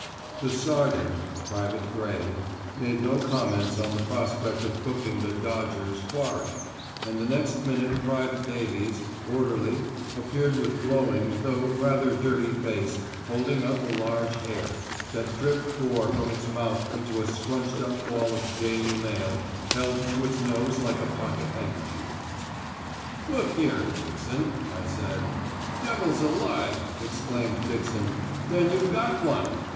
The "sergeant" (Private Gray) made no comments on the prospect of cooking the "Dodger's" quarry, and the next minute Private Davies, orderly, appeared with glowing though rather dirty face holding up a large hare, that dripped gore from its mouth into a scrunched up ball of Daily Mail held to its nose like a pocket handkerchief. "Look here, Dixon," I said. "Devil's alive," exclaimed Dixon. "Then you've got one.